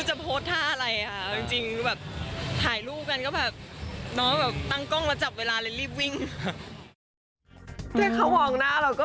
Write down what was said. จับตรงจับมือด้วยค่ะ